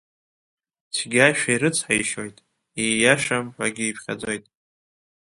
Цәгьашәа ирыцҳаишьоит, ииашам ҳәагьы иԥхьаӡоит.